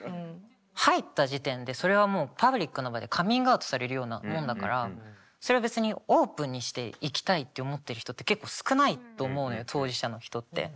入った時点でそれはもうパブリックの場でカミングアウトされるようなもんだからそれを別にオープンにしていきたいって思ってる人って結構少ないと思うのよ当事者の人って。